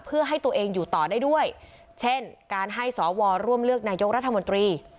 เพื่อให้ตัวเองอยู่ต่อได้ด้วยเช่นการให้สวร่วมเลือกนายกรัฐมนตรี